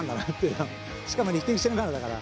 しかもリフティングしながらだから。